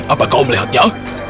apa kau melihatnya